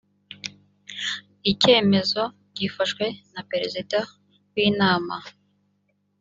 icyemezo gifashwe na perezida w’inama